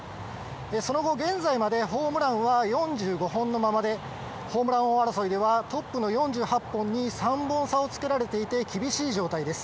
その後、現在までホームランは４５本のままで、ホームラン王争いではトップの４８本に３本差をつけられていて厳しい状態です。